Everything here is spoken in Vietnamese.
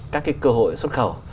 các cái cơ hội xuất khẩu